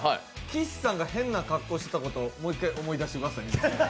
岸さんが変な格好していたことをもう一回思い出しましたね。